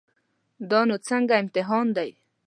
دا نو څنګه امتحان دی.